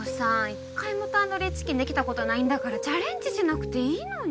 １回もタンドリーチキンできたことないんだからチャレンジしなくていいのに。